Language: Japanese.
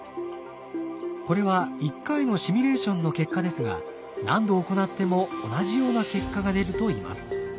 これは１回のシミュレーションの結果ですが何度行っても同じような結果が出るといいます。